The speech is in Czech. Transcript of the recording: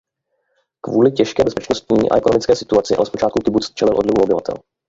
Kvůli těžké bezpečnostní a ekonomické situaci ale zpočátku kibuc čelil odlivu obyvatel.